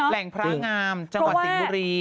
แหล่งพระงามจังหวัดสิงห์บุรี